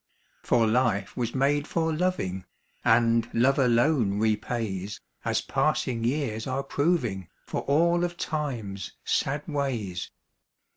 For life was made for loving, and love alone repays, As passing years are proving, for all of Time's sad ways.